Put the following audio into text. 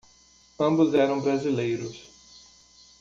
Ambos eram brasileiros.